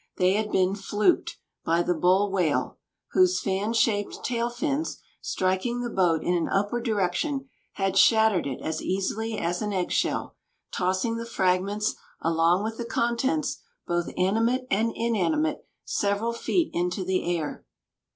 They had been "fluked" by the bull whale, whose fan shaped tail fins, striking the boat in an upward direction, had shattered it as easily as an eggshell, tossing the fragments, along with the contents, both animate and inanimate, several feet into the air.